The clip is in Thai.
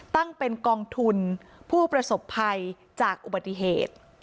ตั้งเป็นกองทุนผู้ประสบภัยจากอุบัติเหตุ